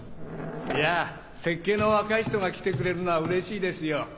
いやぁ設計の若い人が来てくれるのは嬉しいですよ。